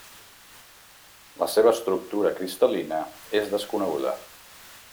La seva estructura cristal·lina és desconeguda.